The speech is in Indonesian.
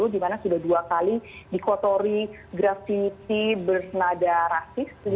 dimana sudah dua kali dikotori grafiti bersenada rasis